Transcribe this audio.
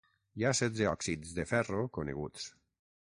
Hi ha setze òxids de ferro coneguts.